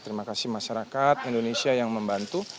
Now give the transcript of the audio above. terima kasih masyarakat indonesia yang membantu